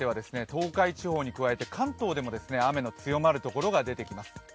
東海地方に加えて関東でも雨の強まるところが出てきます。